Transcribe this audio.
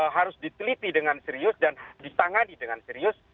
harus diteliti dengan serius dan ditangani dengan serius